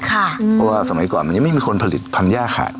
เพราะว่าสมัยก่อนมันยังไม่มีคนผลิตทำย่าขาด